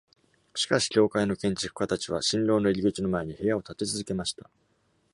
しかし、教会の建築家たちは、身廊の入り口の前に部屋を建て続けました。